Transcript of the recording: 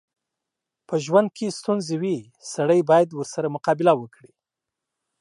په ژوند کې ستونځې وي، سړی بايد ورسره مقابله وکړي.